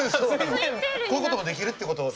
こういうこともできるっていうことを。